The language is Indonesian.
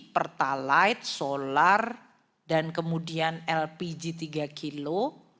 pertalite solar dan kemudian lpg tiga kilo